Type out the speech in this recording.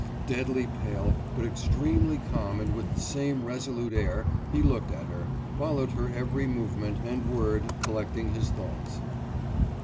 Deadly pale, but externally calm and with the same resolute air, he looked at her, followed her every movement and word, collecting his thoughts.